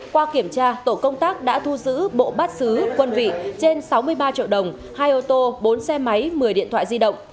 qua kiểm tra tổ công tác đã thu giữ bộ bát xứ quân vị trên sáu mươi ba triệu đồng hai ô tô bốn xe máy một mươi điện thoại di động